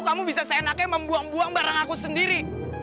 kamu bisa seenaknya membuang buang barang aku sendiri